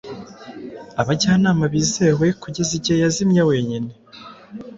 Abajyanama bizewe kugeza igihe yazimye wenyine